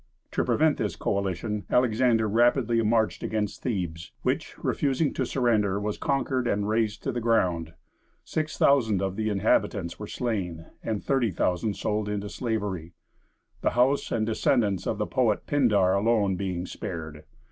To prevent this coalition, Alexander rapidly marched against Thebes, which, refusing to surrender, was conquered and razed to the ground. Six thousand of the inhabitants were slain, and 30,000 sold into slavery; the house and descendants of the poet Pindar alone being spared.